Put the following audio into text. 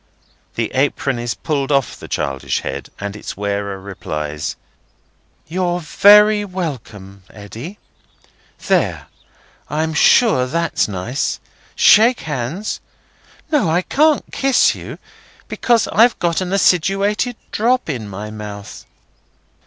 The apron is pulled off the childish head, as its wearer replies: "You're very welcome, Eddy. There! I'm sure that's nice. Shake hands. No, I can't kiss you, because I've got an acidulated drop in my mouth."